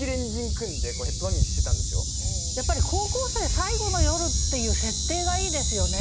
やっぱり高校生最後の夜っていう設定がいいですよね。